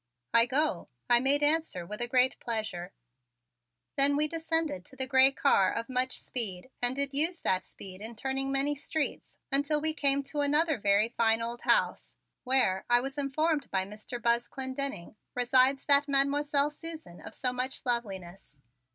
"I go," I made answer with a great pleasure. Then we descended to the gray car of much speed and did use that speed in turning many streets until we came to another very fine old house, where, I was informed by my Mr. Buzz Clendenning, resides that Mademoiselle Susan of so much loveliness.